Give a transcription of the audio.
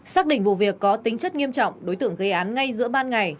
xác định vụ việc có tính chất nghiêm trọng đối tượng gây án ngay giữa ban ngày